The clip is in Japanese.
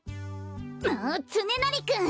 もうつねなりくん！